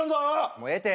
もうええて。